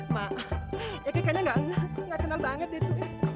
maaf ya kayaknya gak kenal banget itu